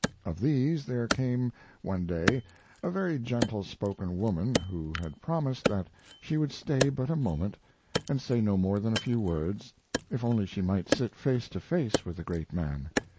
Of these there came one day a very gentle spoken woman who had promised that she would stay but a moment, and say no more than a few words, if only she might sit face to face with the great man.